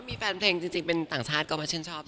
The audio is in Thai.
มีแฟนเพลงจริงเป็นต่างชาติก็มาชื่นชอบ